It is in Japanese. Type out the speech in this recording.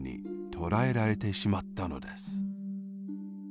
とらえられてしまったのです。